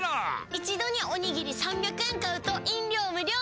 一度におにぎり３００円買うと飲料無料！